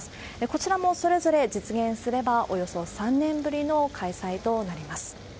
こちらも、それぞれ実現すれば、およそ３年ぶりの開催となります。